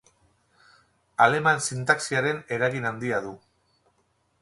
Aleman sintaxiaren eragin handia du.